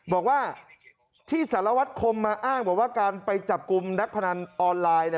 บอกว่าที่สารวัตรคมมาอ้างบอกว่าการไปจับกลุ่มนักพนันออนไลน์